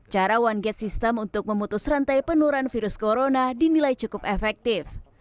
cara one gate system untuk memutus rantai penurunan virus corona dinilai cukup efektif